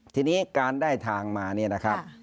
ทีนี้การได้ทางมาเนี่ยนะครับ